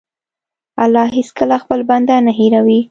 الله هېڅکله خپل بنده نه هېروي.